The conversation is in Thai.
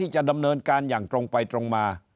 จะดำเนินการอย่างตรงไปตรงมา